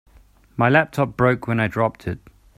My laptop broke when I dropped it.